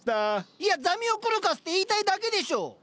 いやザミオクルカスって言いたいだけでしょ。